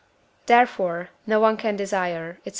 Therefore, no one can desire, &c.